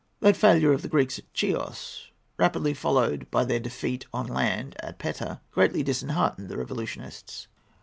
That failure of the Greeks at Chios, quickly followed by their defeat on land at Petta, greatly disheartened the revolutionists.